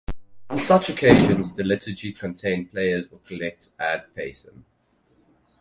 On such occasions the liturgy contains prayers or collects ad pacem.